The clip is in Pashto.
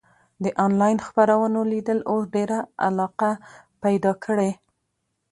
د انلاین خپرونو لیدل اوس ډېره علاقه پیدا کړې.